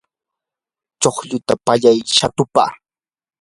chuqluta pallay shatupaq.